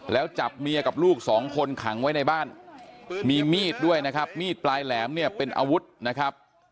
แล้วจับเมียกับลูกสองคนขังไว้ในบ้านมีมีดด้วยนะครับมีดปลายแหลมเนี่ยเป็นอาวุธนะครับ